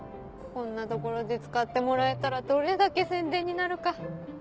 こんな所で使ってもらえたらどれだけ宣伝になるか。